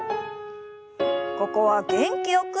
ここは元気よく。